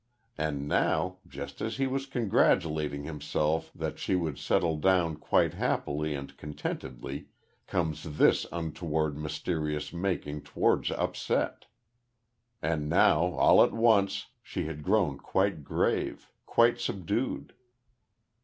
And now, just as he was congratulating himself that she would settle down quite happily and contentedly, comes this untoward mysterious making towards upset. And now, all at once, she had grown quite grave, quite subdued.